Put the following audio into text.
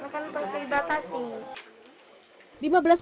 mereka untuk beribatasi